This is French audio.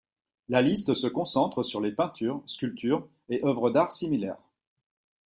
La liste se concentre sur les peintures, sculptures et œuvres d'art similaires.